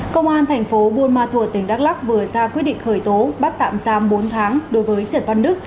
công an thành phố buôn ma thuột tỉnh đắk lắc vừa ra quyết định khởi tố bắt tạm giam bốn tháng đối với trần văn đức